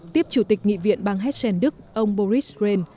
tiếp chủ tịch nghị viện bang hessen đức ông boris grand